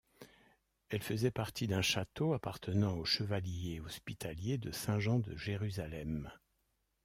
Elle faisait partie d'un château appartenant aux chevaliers hospitaliers de Saint Jean de Jérusalem.